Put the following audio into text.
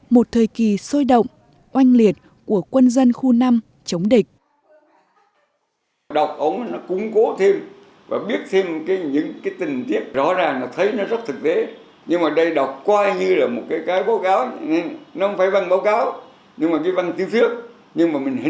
một thời kỳ sôi động oanh liệt của quân dân khu năm chống địch